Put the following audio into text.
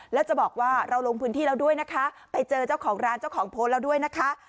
แล้วจะบอกว่าเราลงพื้นที่แล้วด้วยนะคะไปเจอเจ้าของร้านเจ้าของโพสต์แล้วด้วยนะคะ